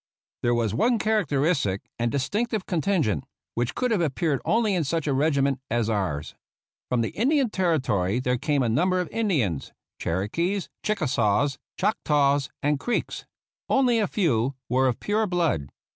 There was one characteristic and distinctive con tingent which could have appeared only in such a regiment as ours. From the Indian Territory there came a number of Indians — Cherokees, Chickasaws, Choctaws, and Creeks. Only a few were of pure blood.